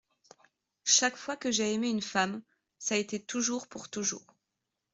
Chaque fois que j’ai aimé une femme, ç’a été toujours pour toujours !